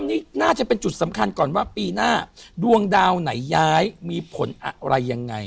นี่น่าจะเป็นจุดสำคัญก่อนว่าปีหน้าดวงดาวไหนย้ายมีผลอะไรยังไง